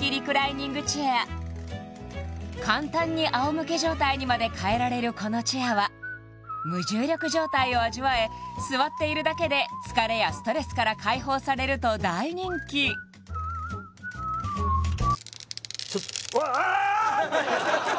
リクライニングチェア簡単にあおむけ状態にまで変えられるこのチェアは無重力状態を味わえ座っているだけで疲れやストレスから解放されると大人気ちょっうわっああーっ！